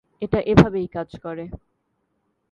এটা এভাবেই কাজ করে।